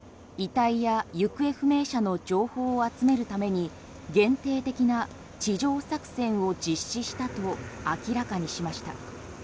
イスラエル軍はガザ地区で遺体や行方不明者の情報を集めるために限定的な地上作戦を実施したと明らかにしました。